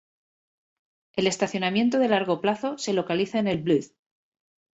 El estacionamiento de largo plazo se localiza en el Blvd.